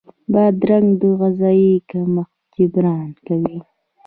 بادرنګ د غذايي کمښت جبران کوي.